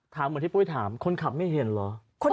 เหมือนที่ปุ้ยถามคนขับไม่เห็นเหรอ